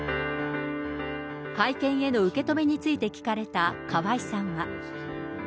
会見への受け止めについて聞かれた河合さんは。